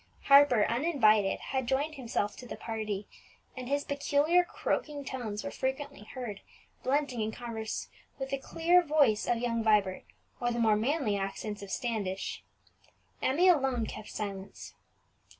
Harper, uninvited, had joined himself to the party, and his peculiar croaking tones were frequently heard blending in converse with the clear voice of young Vibert, or the more manly accents of Standish. Emmie alone kept silence.